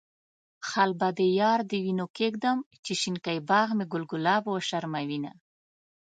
خال به د يار له وينو کيږدم، چې شينکي باغ کې ګل ګلاب وشرموينه.